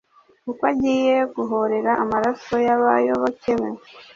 kuko agiye guhorera amaraso y’abayoboke be.